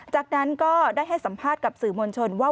จากนั้นก็ได้ให้สัมภาษณ์กับสื่อมวลชนว่า